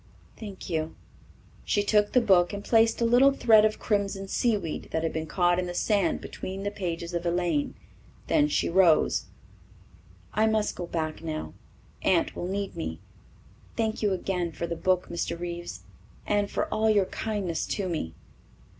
"Thank you." She took the book and placed a little thread of crimson seaweed that had been caught in the sand between the pages of "Elaine." Then she rose. "I must go back now. Aunt will need me. Thank you again for the book, Mr. Reeves, and for all your kindness to me."